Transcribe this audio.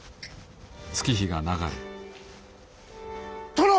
殿！